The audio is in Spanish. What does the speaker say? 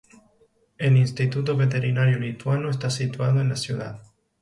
El instituto veterinario lituano está situado en la ciudad.